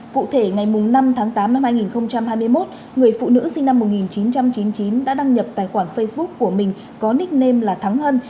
cụ thể ngày năm tháng tám năm hai nghìn hai mươi một người phụ nữ sinh năm một nghìn chín trăm chín mươi chín đã đăng nhập tài khoản facebook của mình có nickname là thắng hân